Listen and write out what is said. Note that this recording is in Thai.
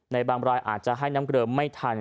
บางรายอาจจะให้น้ำเกลือไม่ทัน